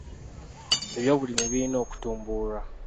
Eby'obulimi birina okutumbulwa.